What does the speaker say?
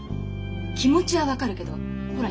気持ちは分かるけどほら